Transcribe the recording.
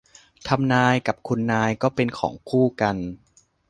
ทำนาย กับคุณนายก็เป็นของคู่กัน